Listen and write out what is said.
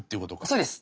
そうです。